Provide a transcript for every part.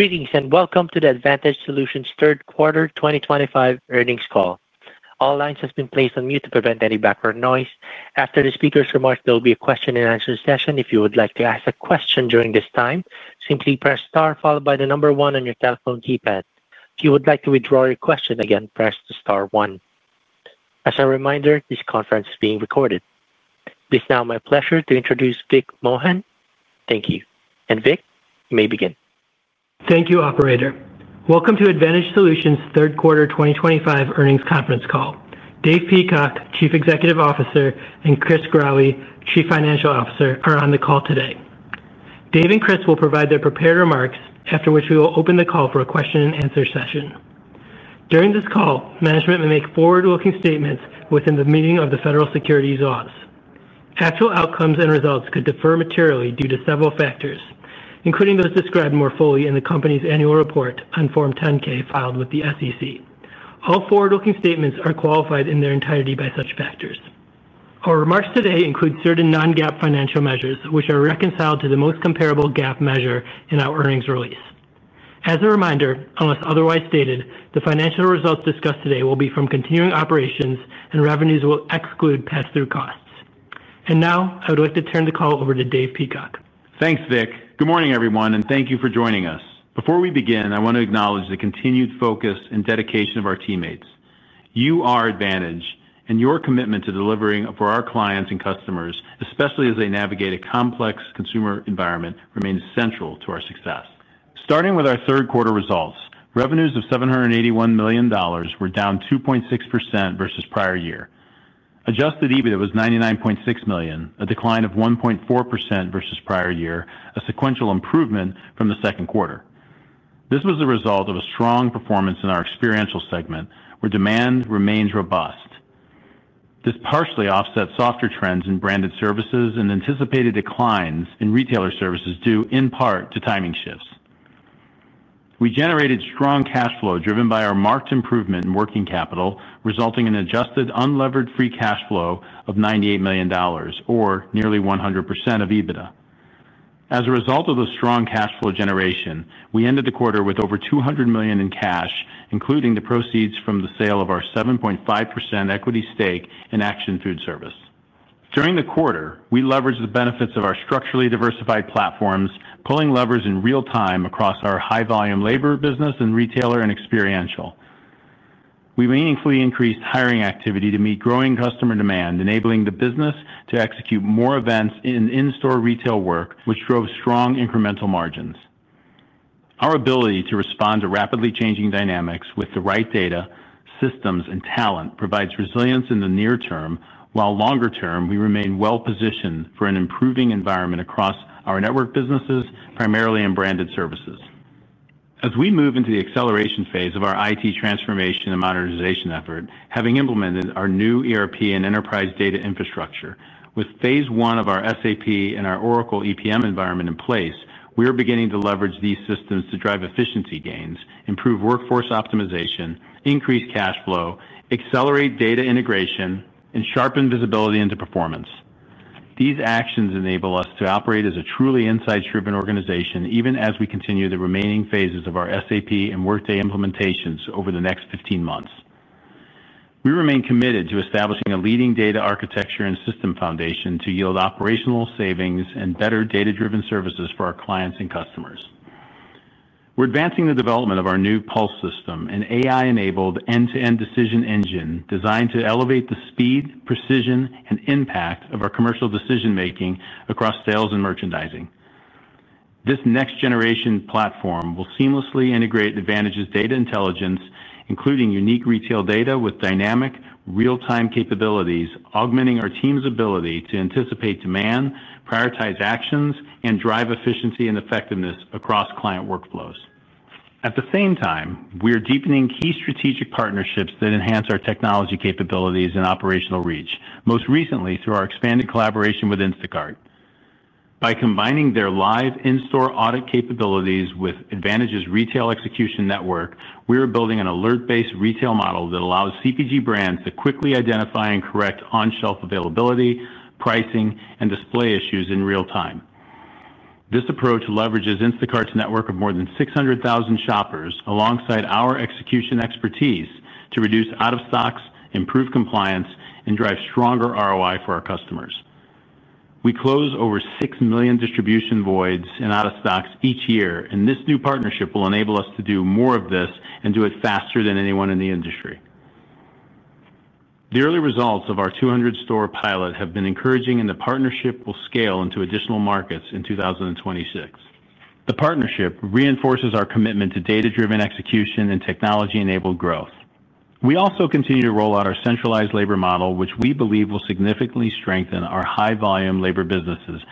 Greetings and welcome to the Advantage Solutions third quarter 2025 earnings call. All lines have been placed on mute to prevent any background noise. After the speaker's remarks, there will be a question-and-answer session. If you would like to ask a question during this time, simply press star followed by the number one on your telephone keypad. If you would like to withdraw your question, again press the star one. As a reminder, this conference is being recorded. It is now my pleasure to introduce Vic Mohan. Thank you. Vic, you may begin. Thank you, Operator. Welcome to Advantage Solutions third quarter 2025 earnings conference call. Dave Peacock, Chief Executive Officer, and Chris Growe, Chief Financial Officer, are on the call today. Dave and Chris will provide their prepared remarks, after which we will open the call for a question-and-answer session. During this call, management may make forward-looking statements within the meaning of the Federal Securities Laws. Actual outcomes and results could differ materially due to several factors, including those described more fully in the company's annual report on Form 10-K filed with the SEC. All forward-looking statements are qualified in their entirety by such factors. Our remarks today include certain non-GAAP financial measures, which are reconciled to the most comparable GAAP measure in our earnings release. As a reminder, unless otherwise stated, the financial results discussed today will be from continuing operations, and revenues will exclude pass-through costs. I would like to turn the call over to Dave Peacock. Thanks, Vic. Good morning, everyone, and thank you for joining us. Before we begin, I want to acknowledge the continued focus and dedication of our teammates. You are Advantage, and your commitment to delivering for our clients and customers, especially as they navigate a complex consumer environment, remains central to our success. Starting with our third quarter results, revenues of $781 million were down 2.6% versus prior year. Adjusted EBITDA was $99.6 million, a decline of 1.4% versus prior year, a sequential improvement from the second quarter. This was the result of a strong performance in our experiential segment, where demand remains robust. This partially offsets softer trends in Branded Services and anticipated declines in retailer services due, in part, to timing shifts. We generated strong cash flow driven by our marked improvement in working capital, resulting in adjusted unlevered free cash flow of $98 million, or nearly 100% of EBITDA. As a result of the strong cash flow generation, we ended the quarter with over $200 million in cash, including the proceeds from the sale of our 7.5% equity stake in Acxion Foodservice. During the quarter, we leveraged the benefits of our structurally diversified platforms, pulling levers in real time across our high-volume labor business and retailer and experiential. We meaningfully increased hiring activity to meet growing customer demand, enabling the business to execute more events in in-store retail work, which drove strong incremental margins. Our ability to respond to rapidly changing dynamics with the right data, systems, and talent provides resilience in the near term, while longer-term, we remain well-positioned for an improving environment across our network businesses, primarily in Branded Services. As we move into the acceleration phase of our IT transformation and modernization effort, having implemented our new ERP and enterprise data infrastructure, with phase one of our SAP and our Oracle EPM environment in place, we are beginning to leverage these systems to drive efficiency gains, improve workforce optimization, increase cash flow, accelerate data integration, and sharpen visibility into performance. These actions enable us to operate as a truly inside-driven organization, even as we continue the remaining phases of our SAP and Workday implementations over the next 15 months. We remain committed to establishing a leading data architecture and system foundation to yield operational savings and better data-driven services for our clients and customers. We're advancing the development of our new Pulse system, an AI-enabled end-to-end decision engine designed to elevate the speed, precision, and impact of our commercial decision-making across sales and merchandising. This next-generation platform will seamlessly integrate Advantage's data intelligence, including unique retail data with dynamic, real-time capabilities, augmenting our team's ability to anticipate demand, prioritize actions, and drive efficiency and effectiveness across client workflows. At the same time, we are deepening key strategic partnerships that enhance our technology capabilities and operational reach, most recently through our expanded collaboration with Instacart. By combining their live in-store audit capabilities with Advantage's retail execution network, we are building an alert-based retail model that allows CPG brands to quickly identify and correct on-shelf availability, pricing, and display issues in real time. This approach leverages Instacart's network of more than 600,000 shoppers, alongside our execution expertise, to reduce out-of-stocks, improve compliance, and drive stronger ROI for our customers. We close over six million distribution voids and out-of-stocks each year, and this new partnership will enable us to do more of this and do it faster than anyone in the industry. The early results of our 200-store pilot have been encouraging, and the partnership will scale into additional markets in 2026. The partnership reinforces our commitment to data-driven execution and technology-enabled growth. We also continue to roll out our centralized labor model, which we believe will significantly strengthen our high-volume labor businesses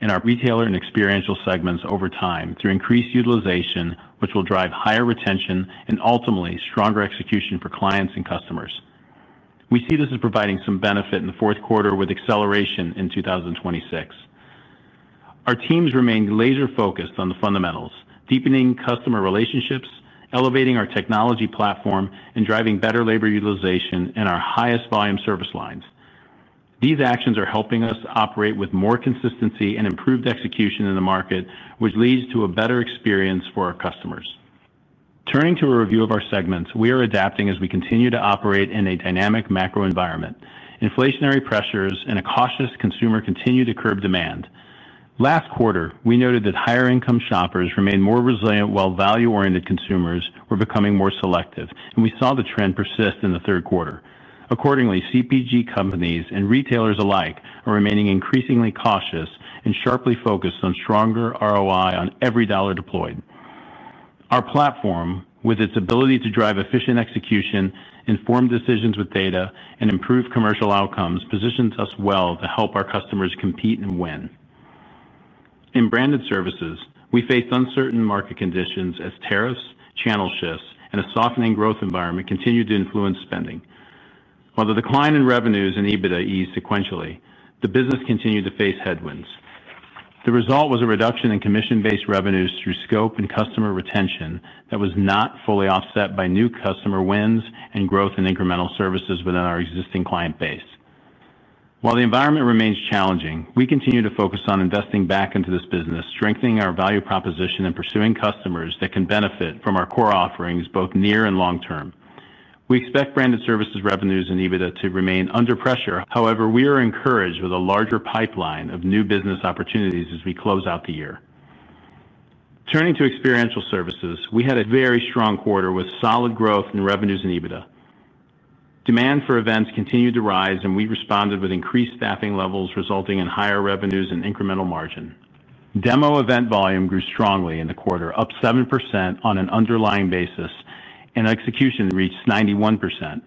in our retailer and experiential segments over time through increased utilization, which will drive higher retention and ultimately stronger execution for clients and customers. We see this as providing some benefit in the fourth quarter with acceleration in 2026. Our teams remain laser-focused on the fundamentals, deepening customer relationships, elevating our technology platform, and driving better labor utilization in our highest-volume service lines. These actions are helping us operate with more consistency and improved execution in the market, which leads to a better experience for our customers. Turning to a review of our segments, we are adapting as we continue to operate in a dynamic macro environment. Inflationary pressures and a cautious consumer continue to curb demand. Last quarter, we noted that higher-income shoppers remained more resilient while value-oriented consumers were becoming more selective, and we saw the trend persist in the third quarter. Accordingly, CPG companies and retailers alike are remaining increasingly cautious and sharply focused on stronger ROI on every dollar deployed. Our platform, with its ability to drive efficient execution, informed decisions with data, and improved commercial outcomes, positions us well to help our customers compete and win. In Branded Services, we faced uncertain market conditions as tariffs, channel shifts, and a softening growth environment continued to influence spending. While the decline in revenues and EBITDA eased sequentially, the business continued to face headwinds. The result was a reduction in commission-based revenues through scope and customer retention that was not fully offset by new customer wins and growth in incremental services within our existing client base. While the environment remains challenging, we continue to focus on investing back into this business, strengthening our value proposition, and pursuing customers that can benefit from our core offerings both near and long term. We expect Branded Services revenues and EBITDA to remain under pressure. However, we are encouraged with a larger pipeline of new business opportunities as we close out the year. Turning to experiential services, we had a very strong quarter with solid growth in revenues and EBITDA. Demand for events continued to rise, and we responded with increased staffing levels, resulting in higher revenues and incremental margin. Demo event volume grew strongly in the quarter, up 7% on an underlying basis, and execution reached 91%.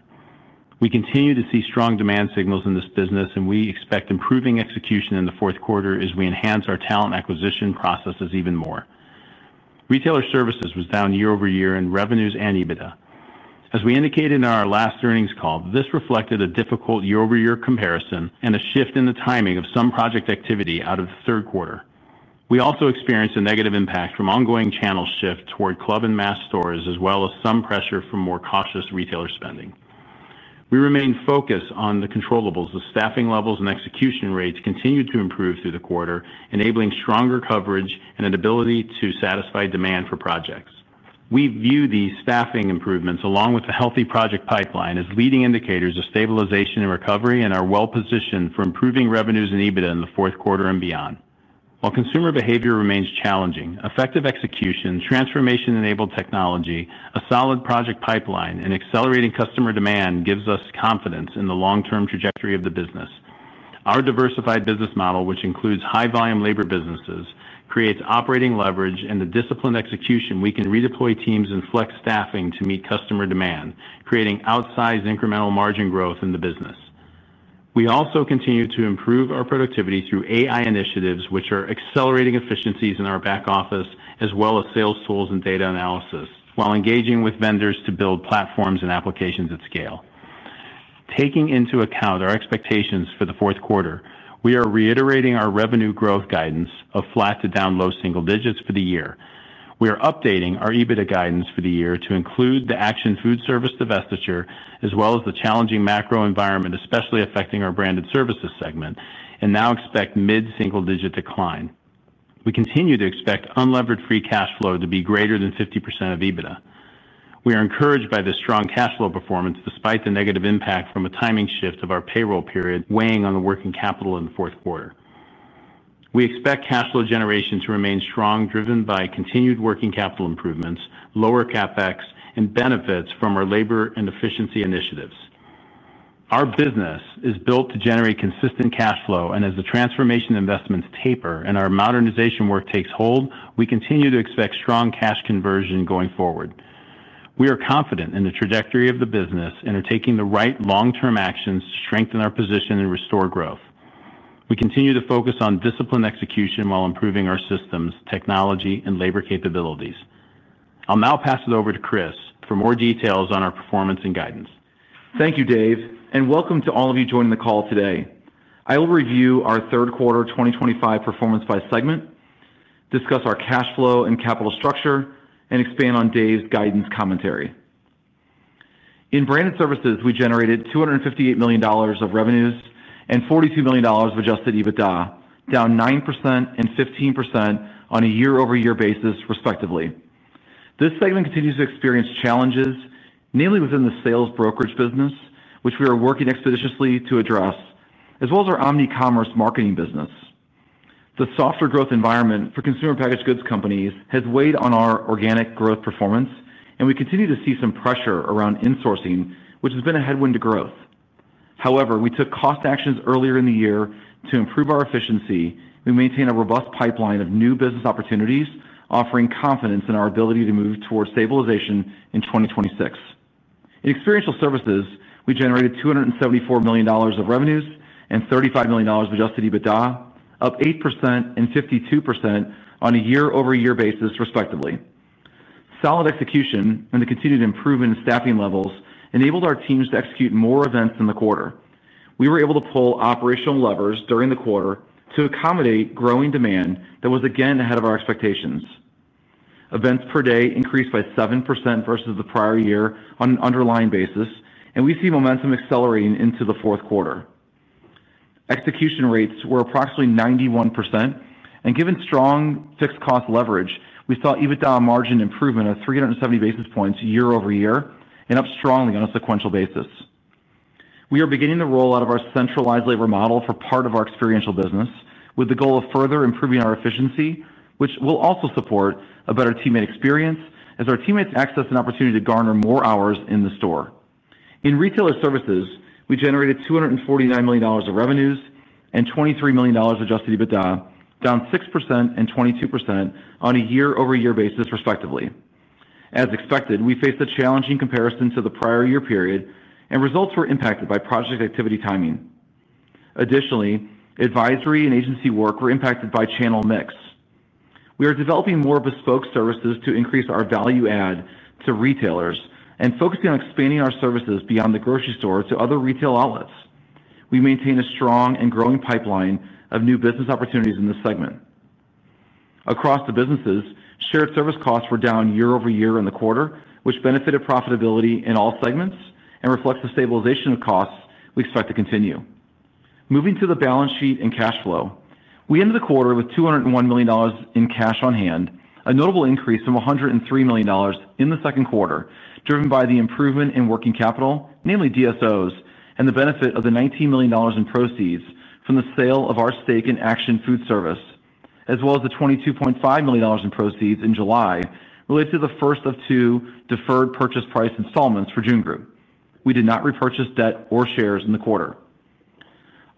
We continue to see strong demand signals in this business, and we expect improving execution in the fourth quarter as we enhance our talent acquisition processes even more. Retailer services was down year over year in revenues and EBITDA. As we indicated in our last earnings call, this reflected a difficult year-over-year comparison and a shift in the timing of some project activity out of the third quarter. We also experienced a negative impact from ongoing channel shift toward club and mass stores, as well as some pressure from more cautious retailer spending. We remained focused on the controllables, as staffing levels and execution rates continued to improve through the quarter, enabling stronger coverage and an ability to satisfy demand for projects. We view these staffing improvements, along with the healthy project pipeline, as leading indicators of stabilization and recovery and are well-positioned for improving revenues and EBITDA in the fourth quarter and beyond. While consumer behavior remains challenging, effective execution, transformation-enabled technology, a solid project pipeline, and accelerating customer demand give us confidence in the long-term trajectory of the business. Our diversified business model, which includes high-volume labor businesses, creates operating leverage and the disciplined execution. We can redeploy teams and flex staffing to meet customer demand, creating outsized incremental margin growth in the business. We also continue to improve our productivity through AI initiatives, which are accelerating efficiencies in our back office, as well as sales tools and data analysis, while engaging with vendors to build platforms and applications at scale. Taking into account our expectations for the fourth quarter, we are reiterating our revenue growth guidance of flat to down low single digits for the year. We are updating our EBITDA guidance for the year to include the Acxion Foodservice divestiture, as well as the challenging macro environment especially affecting our Branded Services segment, and now expect mid-single-digit decline. We continue to expect unlevered free cash flow to be greater than 50% of EBITDA. We are encouraged by this strong cash flow performance despite the negative impact from a timing shift of our payroll period weighing on the working capital in the fourth quarter. We expect cash flow generation to remain strong, driven by continued working capital improvements, lower CapEx, and benefits from our labor and efficiency initiatives. Our business is built to generate consistent cash flow, and as the transformation investments taper and our modernization work takes hold, we continue to expect strong cash conversion going forward. We are confident in the trajectory of the business and are taking the right long-term actions to strengthen our position and restore growth. We continue to focus on disciplined execution while improving our systems, technology, and labor capabilities. I'll now pass it over to Chris for more details on our performance and guidance. Thank you, Dave, and welcome to all of you joining the call today. I will review our third quarter 2025 performance by segment, discuss our cash flow and capital structure, and expand on Dave's guidance commentary. In Branded Services, we generated $258 million of revenues and $42 million of adjusted EBITDA, down 9% and 15% on a year-over-year basis, respectively. This segment continues to experience challenges, namely within the sales brokerage business, which we are working expeditiously to address, as well as our omnicommerce marketing business. The softer growth environment for consumer packaged goods companies has weighed on our organic growth performance, and we continue to see some pressure around insourcing, which has been a headwind to growth. However, we took cost actions earlier in the year to improve our efficiency. We maintain a robust pipeline of new business opportunities, offering confidence in our ability to move towards stabilization in 2026. In experiential services, we generated $274 million of revenues and $35 million of adjusted EBITDA, up 8% and 52% on a year-over-year basis, respectively. Solid execution and the continued improvement in staffing levels enabled our teams to execute more events in the quarter. We were able to pull operational levers during the quarter to accommodate growing demand that was again ahead of our expectations. Events per day increased by 7% versus the prior year on an underlying basis, and we see momentum accelerating into the fourth quarter. Execution rates were approximately 91%, and given strong fixed cost leverage, we saw EBITDA margin improvement of 370 basis points year-over-year and up strongly on a sequential basis. We are beginning to roll out our centralized labor model for part of our experiential business, with the goal of further improving our efficiency, which will also support a better teammate experience as our teammates access an opportunity to garner more hours in the store. In retailer services, we generated $249 million of revenues and $23 million adjusted EBITDA, down 6% and 22% on a year-over-year basis, respectively. As expected, we faced a challenging comparison to the prior year period, and results were impacted by project activity timing. Additionally, advisory and agency work were impacted by channel mix. We are developing more bespoke services to increase our value add to retailers and focusing on expanding our services beyond the grocery store to other retail outlets. We maintain a strong and growing pipeline of new business opportunities in this segment. Across the businesses, shared service costs were down year-over-year in the quarter, which benefited profitability in all segments and reflects the stabilization of costs we expect to continue. Moving to the balance sheet and cash flow, we ended the quarter with $201 million in cash on hand, a notable increase from $103 million in the second quarter, driven by the improvement in working capital, namely DSOs, and the benefit of the $19 million in proceeds from the sale of our stake in Acxion Foodservice, as well as the $22.5 million in proceeds in July related to the first of two deferred purchase price installments for June Group. We did not repurchase debt or shares in the quarter.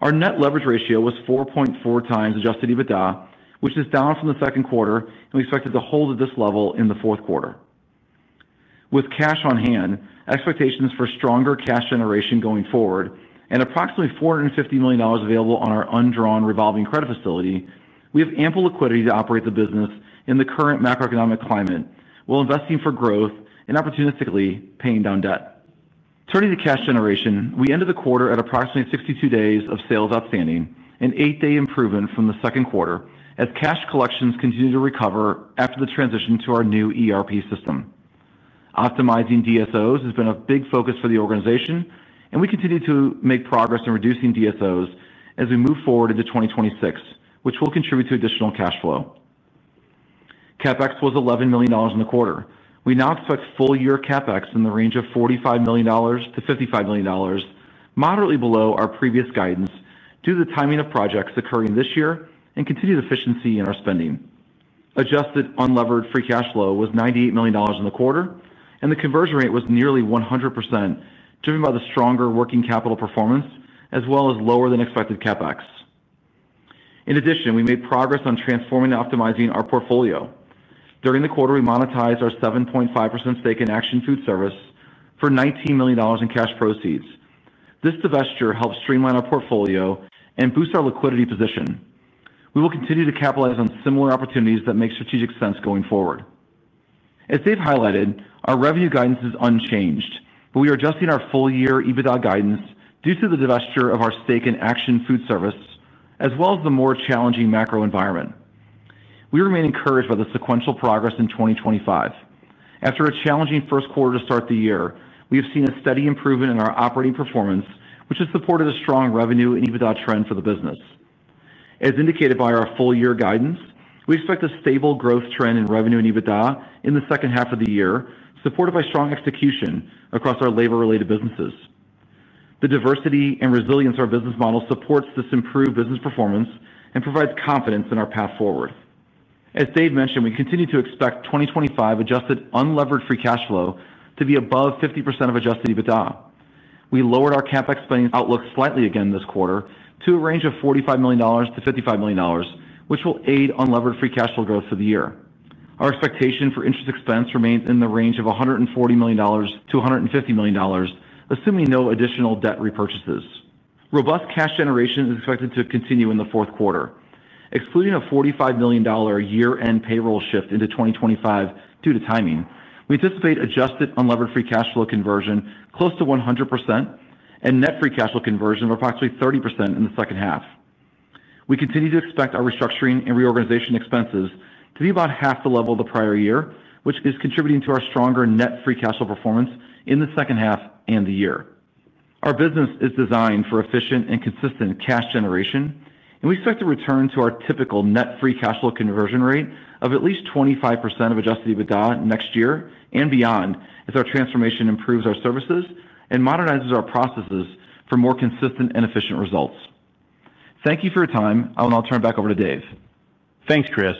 Our net leverage ratio was 4.4x adjusted EBITDA, which is down from the second quarter, and we expected to hold at this level in the fourth quarter. With cash on hand, expectations for stronger cash generation going forward, and approximately $450 million available on our undrawn revolving credit facility, we have ample liquidity to operate the business in the current macroeconomic climate while investing for growth and opportunistically paying down debt. Turning to cash generation, we ended the quarter at approximately 62 days of sales outstanding, an eight-day improvement from the second quarter, as cash collections continue to recover after the transition to our new ERP system. Optimizing DSOs has been a big focus for the organization, and we continue to make progress in reducing DSOs as we move forward into 2026, which will contribute to additional cash flow. CapEx was $11 million in the quarter. We now expect full-year CapEx in the range of $45 million-$55 million, moderately below our previous guidance due to the timing of projects occurring this year and continued efficiency in our spending. Adjusted unlevered free cash flow was $98 million in the quarter, and the conversion rate was nearly 100%, driven by the stronger working capital performance as well as lower-than-expected CapEx. In addition, we made progress on transforming and optimizing our portfolio. During the quarter, we monetized our 7.5% stake in Acxion Foodservice for $19 million in cash proceeds. This divestiture helped streamline our portfolio and boost our liquidity position. We will continue to capitalize on similar opportunities that make strategic sense going forward. As Dave highlighted, our revenue guidance is unchanged, but we are adjusting our full-year EBITDA guidance due to the divestiture of our stake in Acxion Foodservice, as well as the more challenging macro environment. We remain encouraged by the sequential progress in 2025. After a challenging first quarter to start the year, we have seen a steady improvement in our operating performance, which has supported a strong revenue and EBITDA trend for the business. As indicated by our full-year guidance, we expect a stable growth trend in revenue and EBITDA in the second half of the year, supported by strong execution across our labor-related businesses. The diversity and resilience of our business model supports this improved business performance and provides confidence in our path forward. As Dave mentioned, we continue to expect 2025 adjusted unlevered free cash flow to be above 50% of adjusted EBITDA. We lowered our CapEx spending outlook slightly again this quarter to a range of $45 million-$55 million, which will aid unlevered free cash flow growth for the year. Our expectation for interest expense remains in the range of $140 million-$150 million, assuming no additional debt repurchases. Robust cash generation is expected to continue in the fourth quarter. Excluding a $45 million year-end payroll shift into 2025 due to timing, we anticipate adjusted unlevered free cash flow conversion close to 100% and net free cash flow conversion of approximately 30% in the second half. We continue to expect our restructuring and reorganization expenses to be about half the level of the prior year, which is contributing to our stronger net free cash flow performance in the second half and the year. Our business is designed for efficient and consistent cash generation, and we expect to return to our typical net free cash flow conversion rate of at least 25% of adjusted EBITDA next year and beyond if our transformation improves our services and modernizes our processes for more consistent and efficient results. Thank you for your time. I will now turn it back over to Dave. Thanks, Chris.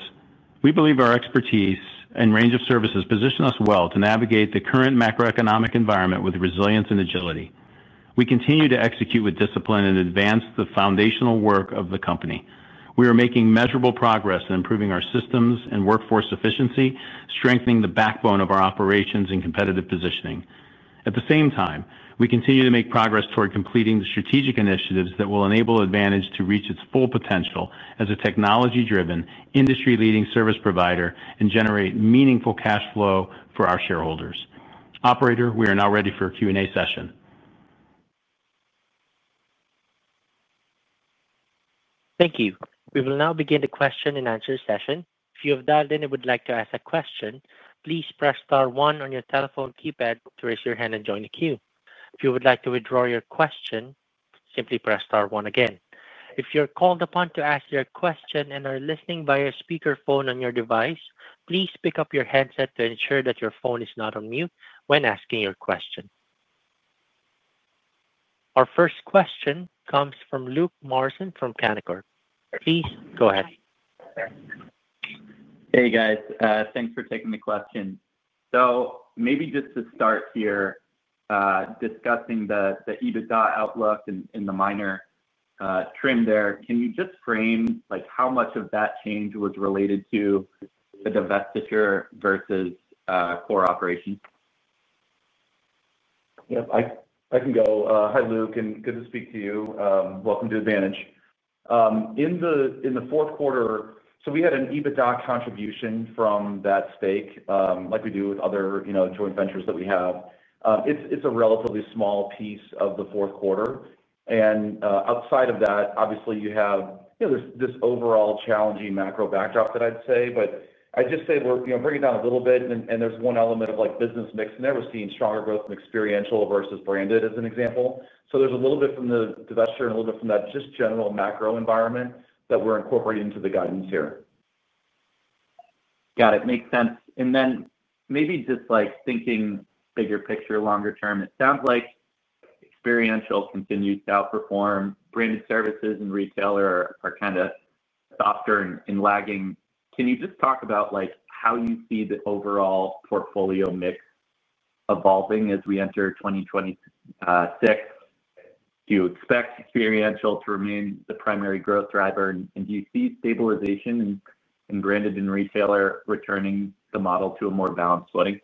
We believe our expertise and range of services position us well to navigate the current macroeconomic environment with resilience and agility. We continue to execute with discipline and advance the foundational work of the company. We are making measurable progress in improving our systems and workforce efficiency, strengthening the backbone of our operations and competitive positioning. At the same time, we continue to make progress toward completing the strategic initiatives that will enable Advantage to reach its full potential as a technology-driven, industry-leading service provider and generate meaningful cash flow for our shareholders. Operator, we are now ready for a Q&A session. Thank you. We will now begin the question-and-answer session. If you have dialed in and would like to ask a question, please press star one on your telephone keypad to raise your hand and join the queue. If you would like to withdraw your question, simply press star one again. If you're called upon to ask your question and are listening via speakerphone on your device, please pick up your headset to ensure that your phone is not on mute when asking your question. Our first question comes from Luke Morrison from Canaccord. Please go ahead. Hey, guys. Thanks for taking the question. Maybe just to start here, discussing the EBITDA outlook and the minor trim there, can you just frame how much of that change was related to the divestiture versus core operations? Yep. I can go. Hi, Luke. And good to speak to you. Welcome to Advantage. In the fourth quarter, we had an EBITDA contribution from that stake, like we do with other joint ventures that we have. It is a relatively small piece of the fourth quarter. Outside of that, obviously, you have this overall challenging macro backdrop that I would say, but I would just say we are bringing it down a little bit. There is one element of business mix in there. We are seeing stronger growth from experiential versus branded, as an example. There is a little bit from the divestiture and a little bit from that just general macro environment that we are incorporating into the guidance here. Got it. Makes sense. Maybe just thinking bigger picture, longer term, it sounds like experiential continues to outperform. Branded Services and retailer are kind of softer and lagging. Can you just talk about how you see the overall portfolio mix evolving as we enter 2026? Do you expect experiential to remain the primary growth driver, and do you see stabilization in branded and retailer returning the model to a more balanced footing?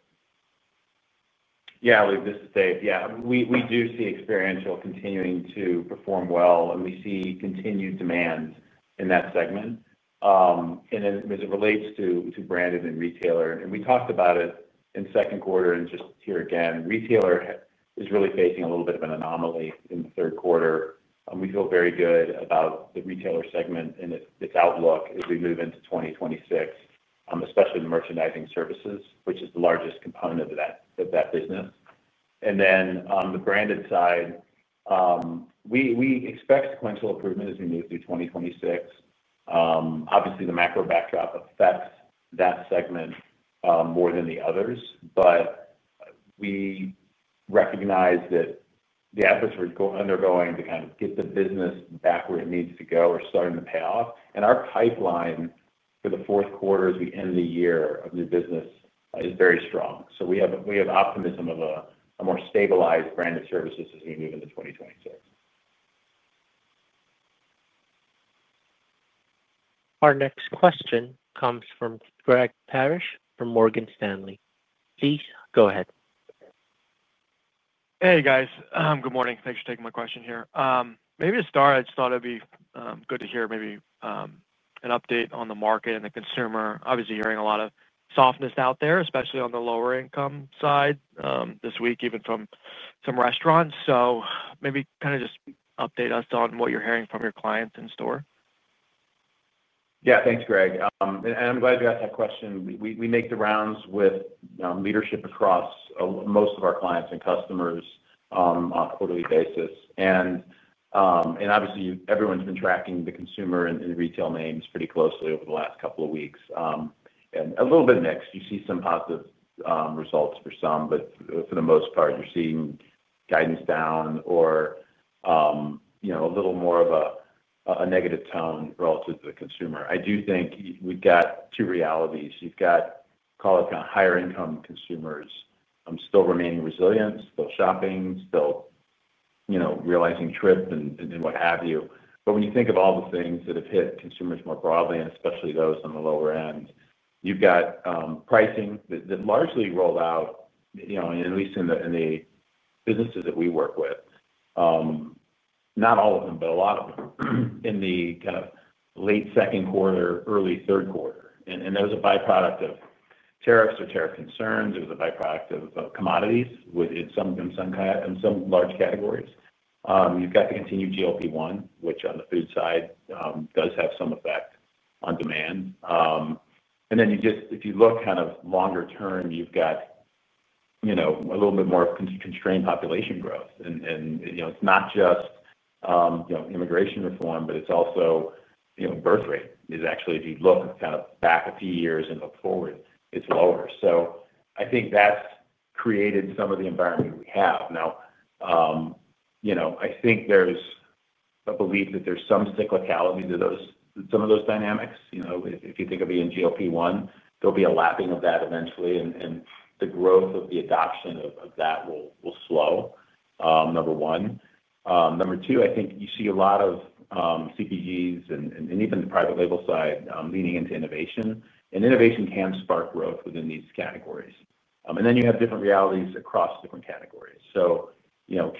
Yeah, Luke, this is Dave. Yeah, we do see experiential continuing to perform well, and we see continued demand in that segment. As it relates to branded and retailer, and we talked about it in second quarter and just here again, retailer is really facing a little bit of an anomaly in the third quarter. We feel very good about the retailer segment and its outlook as we move into 2026, especially the merchandising services, which is the largest component of that business. On the branded side, we expect sequential improvement as we move through 2026. Obviously, the macro backdrop affects that segment more than the others, but we recognize that the efforts we're undergoing to kind of get the business back where it needs to go are starting to pay off. Our pipeline for the fourth quarter as we end the year of new business is very strong. We have optimism of a more stabilized Branded Services as we move into 2026. Our next question comes from Greg Parrish from Morgan Stanley. Please go ahead. Hey, guys. Good morning. Thanks for taking my question here. Maybe to start, I just thought it'd be good to hear maybe an update on the market and the consumer. Obviously, hearing a lot of softness out there, especially on the lower-income side this week, even from some restaurants. Maybe kind of just update us on what you're hearing from your clients in store. Yeah, thanks, Greg. I'm glad you asked that question. We make the rounds with leadership across most of our clients and customers on a quarterly basis. Obviously, everyone's been tracking the consumer and retail names pretty closely over the last couple of weeks. It's a little bit mixed. You see some positive results for some, but for the most part, you're seeing guidance down or a little more of a negative tone relative to the consumer. I do think we've got two realities. You've got, call it, kind of higher-income consumers still remaining resilient, still shopping, still realizing trip and what have you. When you think of all the things that have hit consumers more broadly, and especially those on the lower end, you've got pricing that largely rolled out, at least in the businesses that we work with. Not all of them, but a lot of them, in the kind of late second quarter, early third quarter. That was a byproduct of tariffs or tariff concerns. It was a byproduct of commodities in some large categories. You've got the continued GLP-1, which on the food side does have some effect on demand. If you look kind of longer term, you've got a little bit more of constrained population growth. It's not just immigration reform, but it's also birth rate. Actually, if you look kind of back a few years and look forward, it's lower. I think that's created some of the environment we have now. I think there's a belief that there's some cyclicality to some of those dynamics. If you think of being GLP-1, there'll be a lapping of that eventually, and the growth of the adoption of that will slow. Number one. Number two, I think you see a lot of CPGs and even the private label side leaning into innovation. And innovation can spark growth within these categories. Then you have different realities across different categories.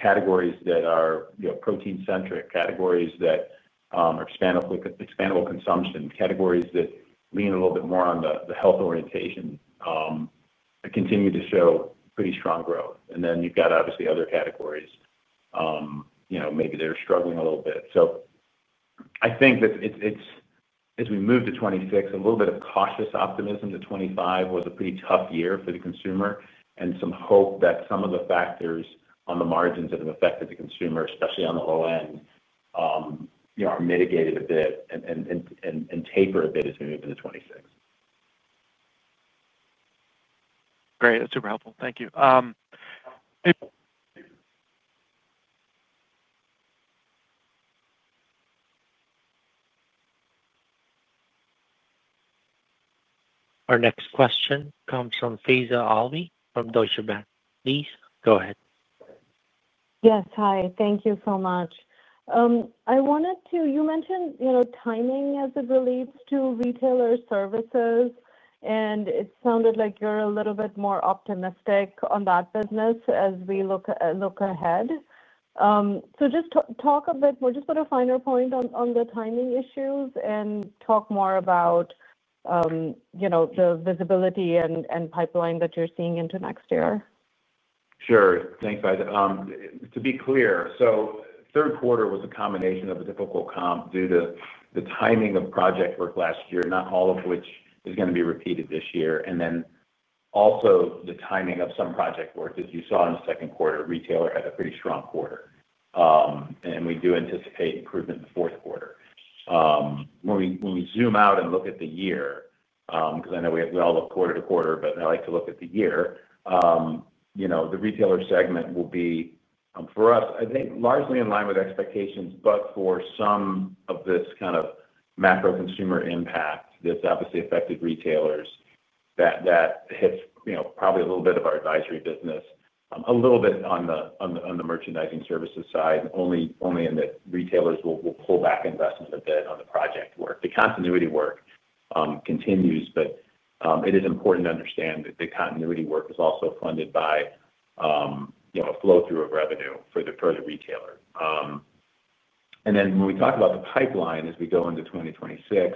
Categories that are protein-centric, categories that are expandable consumption, categories that lean a little bit more on the health orientation continue to show pretty strong growth. Then you have, obviously, other categories. Maybe they are struggling a little bit. I think as we move to 2026, a little bit of cautious optimism. The 2025 was a pretty tough year for the consumer and some hope that some of the factors on the margins that have affected the consumer, especially on the low end, are mitigated a bit and taper a bit as we move into 2026. Great. That's super helpful. Thank you. Our next question comes from Faiza Alwy from Deutsche Bank. Please go ahead. Yes. Hi. Thank you so much. I wanted to—you mentioned timing as it relates to retailer services, and it sounded like you're a little bit more optimistic on that business as we look ahead. Just talk a bit more, just put a finer point on the timing issues and talk more about the visibility and pipeline that you're seeing into next year. Sure. Thanks, guys. To be clear, third quarter was a combination of a difficult comp due to the timing of project work last year, not all of which is going to be repeated this year. Also, the timing of some project work, as you saw in the second quarter. Retailer had a pretty strong quarter. We do anticipate improvement in the fourth quarter. When we zoom out and look at the year—because I know we all look quarter to quarter, but I like to look at the year—the retailer segment will be, for us, I think, largely in line with expectations, but for some of this kind of macro consumer impact that's obviously affected retailers, that hits probably a little bit of our advisory business, a little bit on the merchandising services side, only in that retailers will pull back investment a bit on the project work. The continuity work continues, but it is important to understand that the continuity work is also funded by a flow-through of revenue for the retailer. And then when we talk about the pipeline as we go into 2026.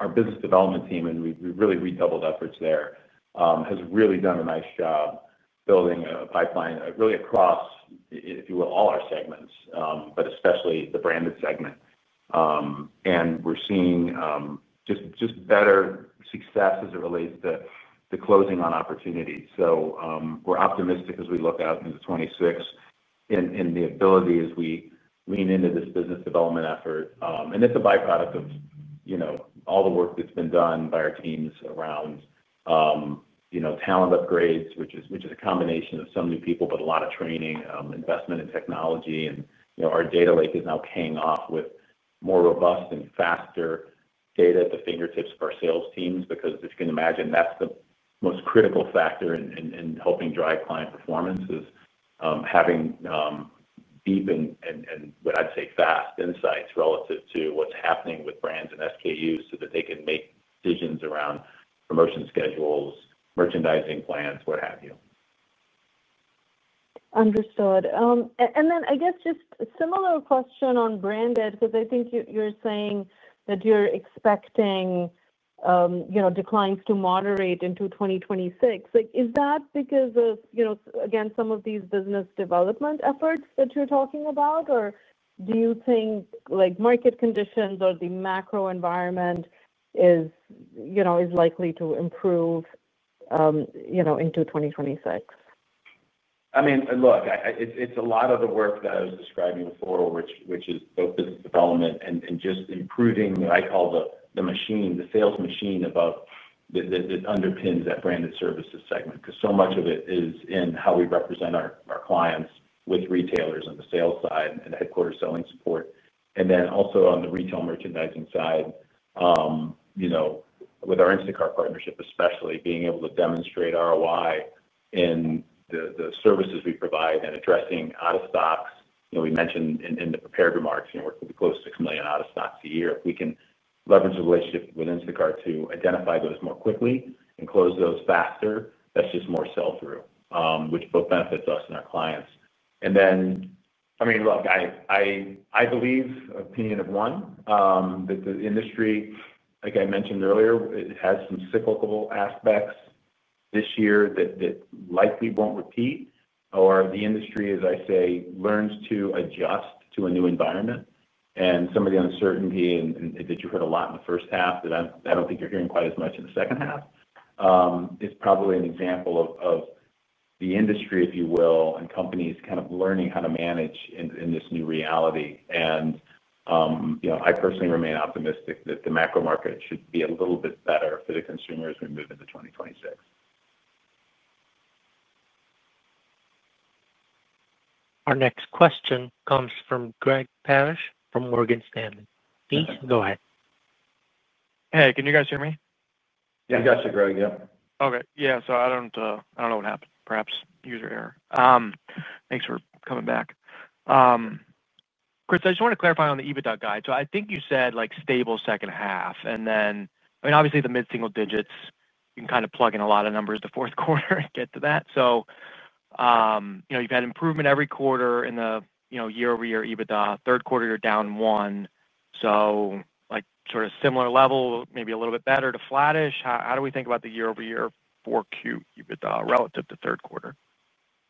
Our business development team, and we really redoubled efforts there, has really done a nice job building a pipeline really across, if you will, all our segments, but especially the branded segment. We are seeing just better success as it relates to closing on opportunities. We are optimistic as we look out into 2026. In the ability as we lean into this business development effort. It is a byproduct of all the work that has been done by our teams around talent upgrades, which is a combination of some new people, but a lot of training, investment in technology. Our data lake is now paying off with more robust and faster data at the fingertips of our sales teams. Because if you can imagine, that is the most critical factor in helping drive client performance is having. Deep and, what I'd say, fast insights relative to what's happening with brands and SKUs so that they can make decisions around promotion schedules, merchandising plans, what have you. Understood. I guess just a similar question on branded, because I think you're saying that you're expecting declines to moderate into 2026. Is that because of, again, some of these business development efforts that you're talking about, or do you think market conditions or the macro environment is likely to improve into 2026? I mean, look, it's a lot of the work that I was describing before, which is both business development and just improving what I call the machine, the sales machine above. That underpins that Branded Services segment. Because so much of it is in how we represent our clients with retailers on the sales side and headquarter selling support. And then also on the retail merchandising side. With our Instacart partnership, especially being able to demonstrate ROI in the services we provide and addressing out-of-stocks. We mentioned in the prepared remarks, we're close to six million out-of-stocks a year. If we can leverage the relationship with Instacart to identify those more quickly and close those faster, that's just more sell-through, which both benefits us and our clients. I mean, look, I believe, opinion of one, that the industry, like I mentioned earlier, has some cyclical aspects this year that likely won't repeat. The industry, as I say, learns to adjust to a new environment. Some of the uncertainty that you heard a lot in the first half that I don't think you're hearing quite as much in the second half is probably an example of the industry, if you will, and companies kind of learning how to manage in this new reality. I personally remain optimistic that the macro market should be a little bit better for the consumers as we move into 2026. Our next question comes from Greg Parrish from Morgan Stanley. Please go ahead. Hey, can you guys hear me? Yeah, we got you, Greg. Yeah. Okay. Yeah. So I don't know what happened. Perhaps user error. Thanks for coming back. Chris, I just want to clarify on the EBITDA guide. So I think you said stable second half. And then, I mean, obviously, the mid-single digits, you can kind of plug in a lot of numbers in the fourth quarter and get to that. You've had improvement every quarter in the year-over-year EBITDA. Third quarter, you're down one. Sort of similar level, maybe a little bit better to flattish. How do we think about the year-over-year for Q4 EBITDA relative to third quarter?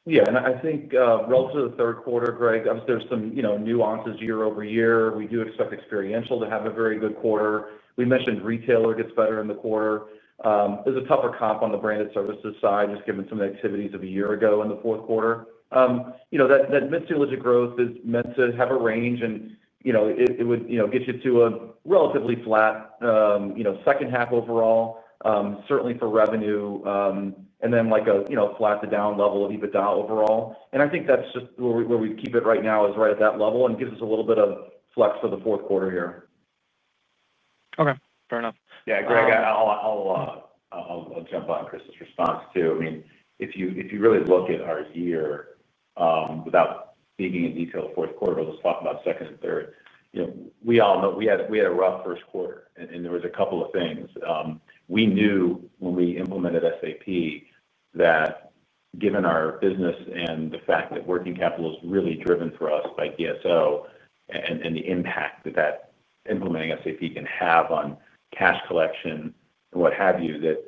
Yeah. I think relative to the third quarter, Greg, obviously, there are some nuances year-over-year. We do expect experiential to have a very good quarter. We mentioned retailer gets better in the quarter. It is a tougher comp on the branded services side, just given some of the activities of a year ago in the fourth quarter. That mid-single digit growth is meant to have a range, and it would get you to a relatively flat second half overall, certainly for revenue, and then like a flat to down level of EBITDA overall. I think that is just where we keep it right now, right at that level, and gives us a little bit of flex for the fourth quarter here. Okay. Fair enough. Yeah, Greg, I'll jump on Chris's response too. I mean, if you really look at our year, without digging in detail the fourth quarter, but let's talk about second and third. We all know we had a rough first quarter, and there was a couple of things. We knew when we implemented SAP that, given our business and the fact that working capital is really driven for us by DSO and the impact that implementing SAP can have on cash collection and what have you, that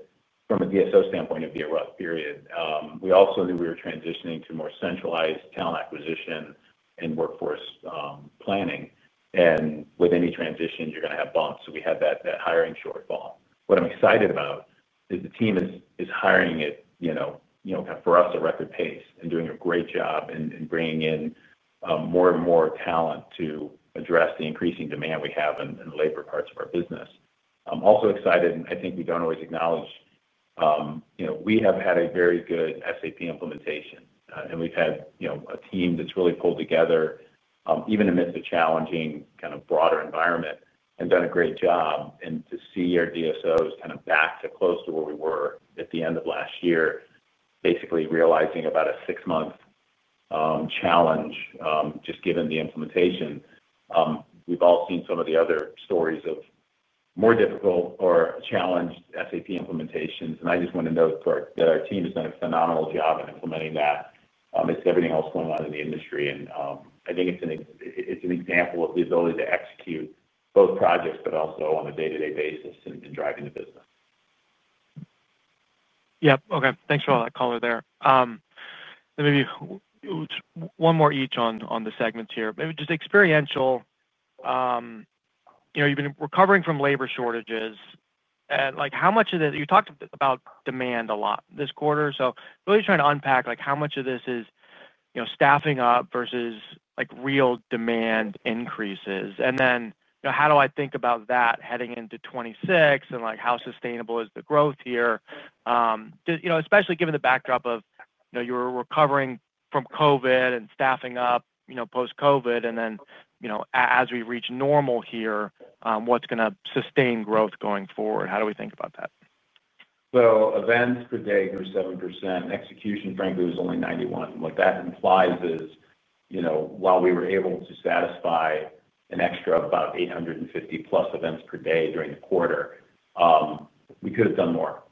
from a DSO standpoint, it'd be a rough period. We also knew we were transitioning to more centralized talent acquisition and workforce planning. And with any transition, you're going to have bumps. So we had that hiring shortfall. What I'm excited about is the team is hiring at. Kind of for us, a record pace and doing a great job in bringing in more and more talent to address the increasing demand we have in the labor parts of our business. I'm also excited, and I think we do not always acknowledge. We have had a very good SAP implementation, and we've had a team that's really pulled together, even amidst a challenging kind of broader environment, and done a great job. To see our DSOs kind of back to close to where we were at the end of last year, basically realizing about a six-month challenge, just given the implementation. We've all seen some of the other stories of more difficult or challenged SAP implementations. I just want to note that our team has done a phenomenal job in implementing that amidst everything else going on in the industry. I think it's an example of the ability to execute both projects, but also on a day-to-day basis and driving the business. Yep. Okay. Thanks for all that color there. Maybe one more each on the segments here. Maybe just experiential. You've been recovering from labor shortages. How much of this, you talked about demand a lot this quarter, so really trying to unpack how much of this is staffing up versus real demand increases. How do I think about that heading into 2026 and how sustainable is the growth here? Especially given the backdrop of you were recovering from COVID and staffing up post-COVID. As we reach normal here, what's going to sustain growth going forward? How do we think about that? Events per day, 27%. Execution, frankly, was only 91. What that implies is, while we were able to satisfy an extra of about 850-plus events per day during the quarter, we could have done more.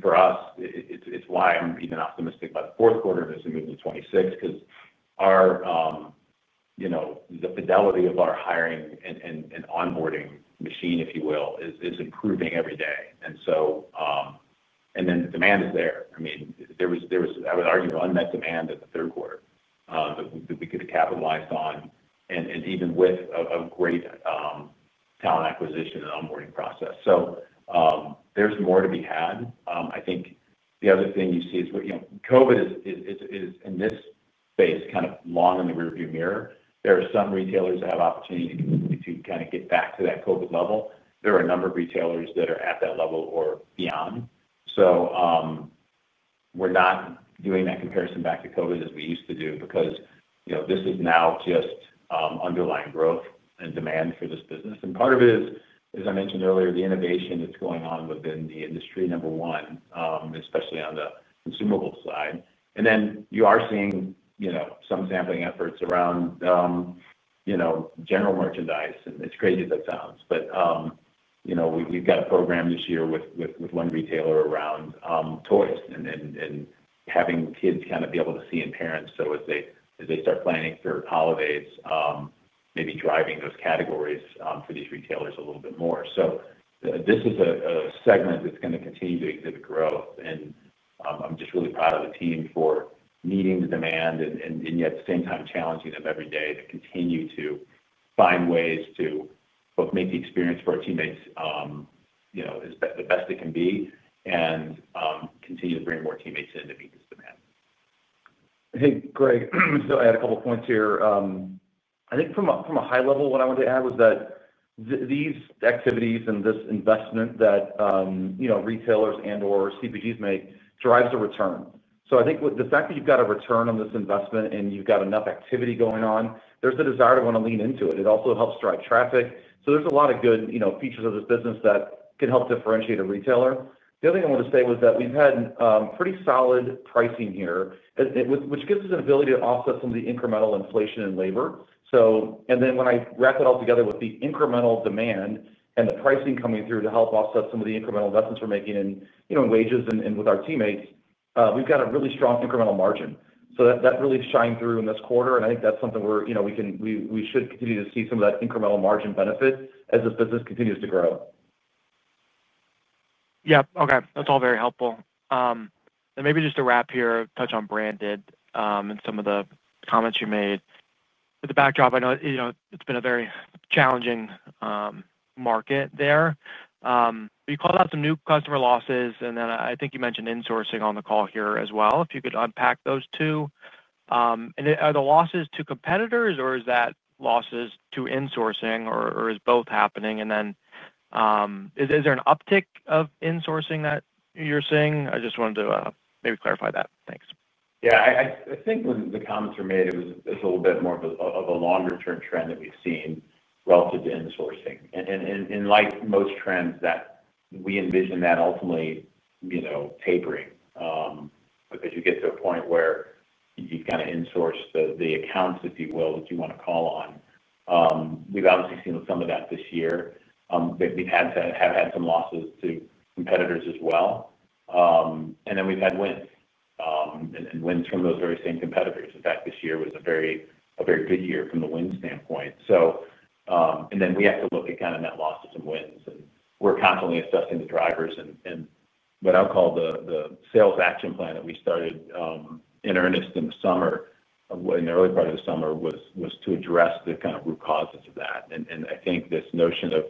For us, it's why I'm even optimistic about the fourth quarter as we move into 2026, because the fidelity of our hiring and onboarding machine, if you will, is improving every day. The demand is there. I mean, I would argue unmet demand in the third quarter that we could have capitalized on, even with a great talent acquisition and onboarding process. There is more to be had. I think the other thing you see is COVID is, in this space, kind of long in the rearview mirror. There are some retailers that have opportunity to kind of get back to that COVID level. There are a number of retailers that are at that level or beyond. We are not doing that comparison back to COVID as we used to do, because this is now just underlying growth and demand for this business. Part of it is, as I mentioned earlier, the innovation that is going on within the industry, number one, especially on the consumable side. You are seeing some sampling efforts around general merchandise. It is crazy as that sounds, but we have got a program this year with one retailer around toys and having kids kind of be able to see and parents. As they start planning for holidays, maybe driving those categories for these retailers a little bit more. This is a segment that is going to continue to exhibit growth. I'm just really proud of the team for meeting the demand and yet, at the same time, challenging them every day to continue to find ways to both make the experience for our teammates as the best it can be and continue to bring more teammates in to meet this demand. Hey, Greg. I had a couple of points here. I think from a high level, what I wanted to add was that these activities and this investment that retailers and/or CPGs make drives the return. I think the fact that you've got a return on this investment and you've got enough activity going on, there's a desire to want to lean into it. It also helps drive traffic. There are a lot of good features of this business that can help differentiate a retailer. The other thing I wanted to say was that we've had pretty solid pricing here, which gives us an ability to offset some of the incremental inflation in labor. When I wrap it all together with the incremental demand and the pricing coming through to help offset some of the incremental investments we're making in wages and with our teammates, we've got a really strong incremental margin. That really shined through in this quarter. I think that's something where we should continue to see some of that incremental margin benefit as this business continues to grow. Yep. Okay. That's all very helpful. Maybe just to wrap here, touch on branded and some of the comments you made. With the backdrop, I know it's been a very challenging market there. You called out some new customer losses, and then I think you mentioned insourcing on the call here as well. If you could unpack those two. Are the losses to competitors, or is that losses to insourcing, or is both happening? Is there an uptick of insourcing that you're seeing? I just wanted to maybe clarify that. Thanks. Yeah. I think when the comments were made, it was a little bit more of a longer-term trend that we've seen relative to insourcing. Like most trends, we envision that ultimately tapering because you get to a point where you've kind of insourced the accounts, if you will, that you want to call on. We've obviously seen some of that this year. We've had some losses to competitors as well. We've had wins, and wins from those very same competitors. In fact, this year was a very good year from the wins standpoint. We have to look at kind of net losses and wins. We're constantly assessing the drivers. What I'll call the sales action plan that we started in earnest in the summer, in the early part of the summer, was to address the kind of root causes of that. I think this notion of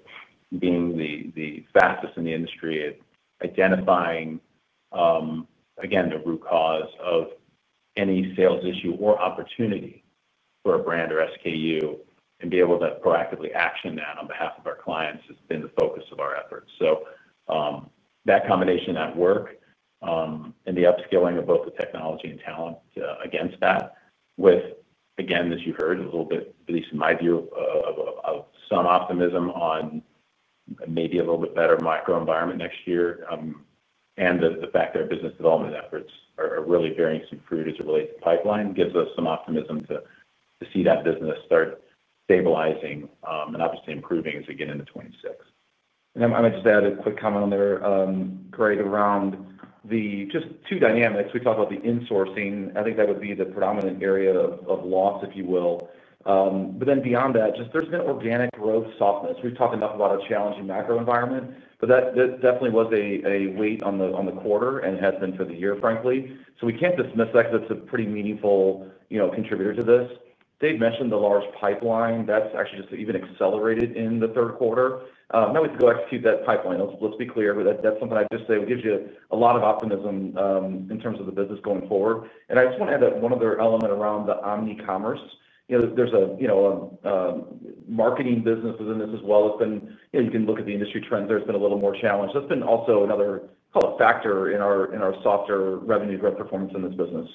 being the fastest in the industry at identifying the root cause of any sales issue or opportunity for a brand or SKU and being able to proactively action that on behalf of our clients has been the focus of our efforts. That combination at work and the upskilling of both the technology and talent against that, with, again, as you heard, a little bit, at least in my view, of some optimism on maybe a little bit better micro environment next year, and the fact that our business development efforts are really bearing some fruit as it relates to pipeline, gives us some optimism to see that business start stabilizing and obviously improving as we get into 2026. I might just add a quick comment on there, Greg, around just two dynamics. We talked about the insourcing. I think that would be the predominant area of loss, if you will. Beyond that, just there's been organic growth softness. We've talked enough about a challenging macro environment, but that definitely was a weight on the quarter and has been for the year, frankly. We can't dismiss that because it's a pretty meaningful contributor to this. Dave mentioned the large pipeline. That's actually just even accelerated in the third quarter. Now we have to go execute that pipeline. Let's be clear. That's something I'd just say gives you a lot of optimism in terms of the business going forward. I just want to add that one other element around the omnicommerce. There's a marketing business within this as well. It's been you can look at the industry trends. There's been a little more challenge. That's been also another, call it, factor in our softer revenue growth performance in this business.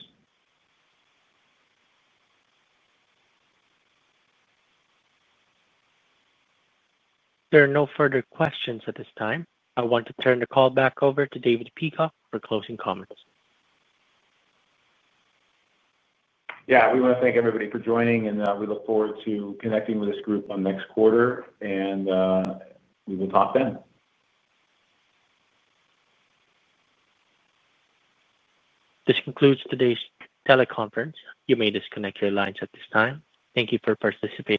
There are no further questions at this time. I want to turn the call back over to Dave Peacock for closing comments. Yeah. We want to thank everybody for joining, and we look forward to connecting with this group next quarter. We will talk then. This concludes today's teleconference. You may disconnect your lines at this time. Thank you for participating.